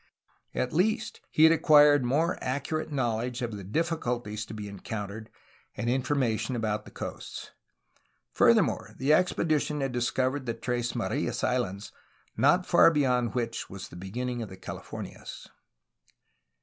At least, he had acquired more accurate knowl edge of the difficulties to be encountered and information about the coasts. Furthermore, the expedition had discov ered the Tres Marias Islands, not far beyond which was the beginning of the Calif ornias.